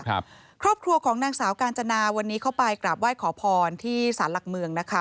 ครอบครัวของนางสาวกาญจนาวันนี้เข้าไปกราบไหว้ขอพรที่สารหลักเมืองนะคะ